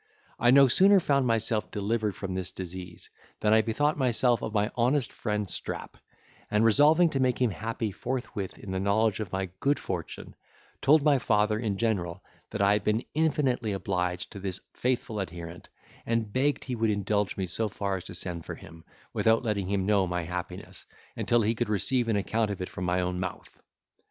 I no sooner found myself delivered from this disease, than I bethought myself of my honest friend Strap; and resolving to make him happy forthwith in the knowledge of my good fortune, told my father in general, that I had been infinitely obliged to this faithful adherent, and begged he would indulge me so far as to send for him, without letting him know my happiness, until he could receive an account of it from my own mouth.